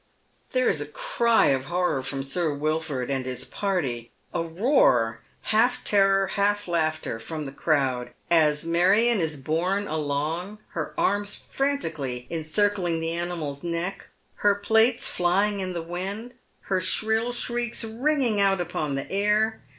There is a cry of horror from Sir Wilford and his party, a roar — half terror, half laughter — from the crowd, as Marion is borne along, her arms frantically encircling the animal's neck, herplaitt flying in the win^', her shrill shrieks ringingout upon the air.